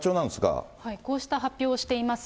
こうした発表をしています。